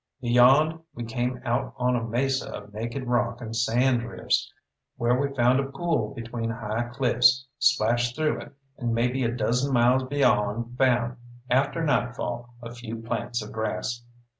Beyond we came out on a mesa of naked rock and sand drifts, where we found a pool between high cliffs, splashed through it, and maybe a dozen miles beyond found after nightfall a few plants of grass.